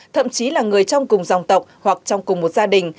thậm chí là người trong cùng dòng tộc hoặc trong cùng một gia đình